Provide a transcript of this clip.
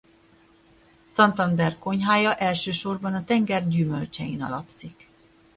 Santander konyhája elsősorban a tenger gyümölcsein alapszik.